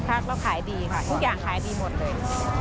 การขายทุกอย่างขายดีหมดเลย